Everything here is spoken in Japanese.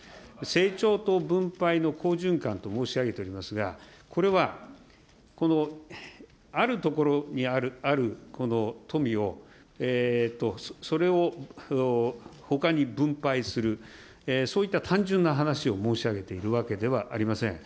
成長と分配の好循環と申し上げておりますが、これはあるところにある富を、それをほかに分配する、そういった単純な話を申し上げているわけではありません。